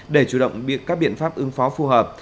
để chủ động biện các biện pháp ứng phó phù hợp